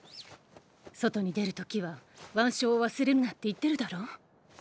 外に出る時は腕章を忘れるなって言ってるだろう？